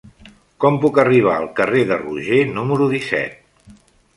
Com puc arribar al carrer de Roger número disset?